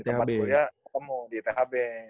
di tempat kuliah ketemu di ithb